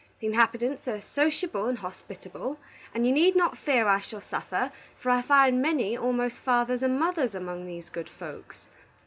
The inhabitants are sociable and hospitable, and you need not fear I shall suffer, for I find many almost fathers and mothers among these good folks.